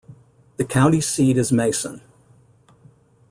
The county seat is Mason.